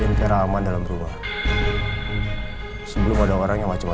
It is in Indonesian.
nih kayak rahmatnya